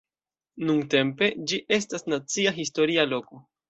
Nuntempe, ĝi estas nacia historia loko.